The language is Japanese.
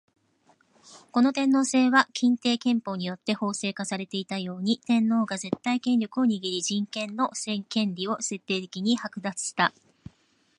この天皇制は欽定憲法によって法制化されていたように、天皇が絶対権力を握り人民の権利を徹底的に剥奪した。